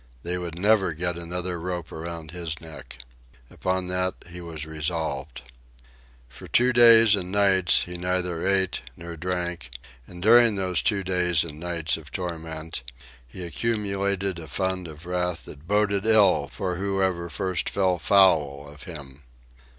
They would never get another rope around his neck. Upon that he was resolved. For two days and nights he neither ate nor drank, and during those two days and nights of torment, he accumulated a fund of wrath that boded ill for whoever first fell foul of him.